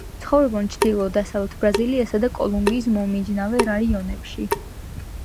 ცხოვრობენ ჩრდილო-დასავლეთ ბრაზილიასა და კოლუმბიის მომიჯნავე რაიონებში.